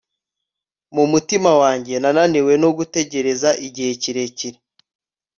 mu mutima wanjye, naniwe no gutegereza igihe kirekire